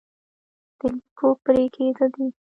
د لکيو پرې کېده دي